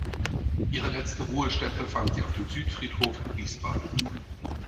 Ihre letzte Ruhestätte fand sie auf dem Südfriedhof in Wiesbaden.